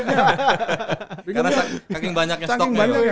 karena kaking banyaknya stoknya